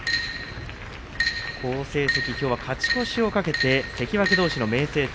好成績、きょうは勝ち越しを懸けて関脇どうしの明生戦。